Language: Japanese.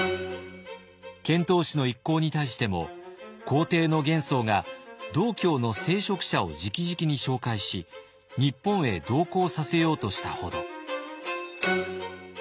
遣唐使の一行に対しても皇帝の玄宗が道教の聖職者を直々に紹介し日本へ同行させようとしたほど。